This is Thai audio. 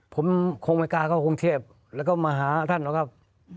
ผมคงไม่กล้าเข้ากรุงเทพแล้วก็มาหาท่านหรอกครับ